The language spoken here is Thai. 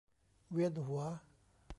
เวียนหัว